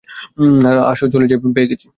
আসো চলো যাই পেয়ে গেছি।